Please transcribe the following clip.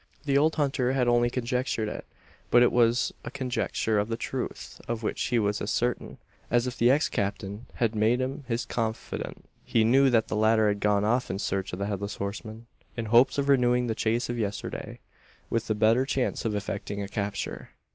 The old hunter had only conjectured it; but it was a conjecture of the truth of which he was as certain, as if the ex captain had made him his confidant. He knew that the latter had gone off in search of the Headless Horseman in hopes of renewing the chase of yesterday, with a better chance of effecting a capture.